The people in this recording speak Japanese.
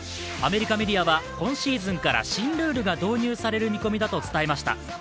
アメリカメディアは今シーズンから新ルールが導入される見込みだと伝えました。